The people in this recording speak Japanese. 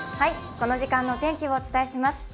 この時間の天気をお伝えします。